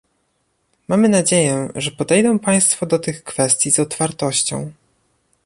Mam nadzieję, że podejdą państwo do tych kwestii z otwartością